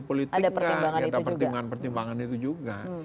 politiknya ada pertimbangan pertimbangan itu juga